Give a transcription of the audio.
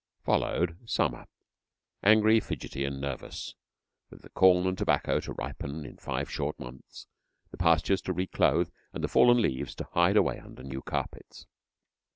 Followed, Summer, angry, fidgety, and nervous, with the corn and tobacco to ripen in five short months, the pastures to reclothe, and the fallen leaves to hide away under new carpets.